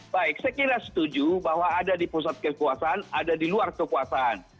baik saya kira setuju bahwa ada di pusat kekuasaan ada di luar kekuasaan